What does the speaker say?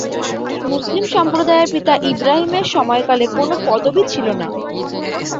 মুসলিম সম্প্রদায় এর পিতা ইব্রাহিমের সময়কালে কোন পদবি ছিলো না।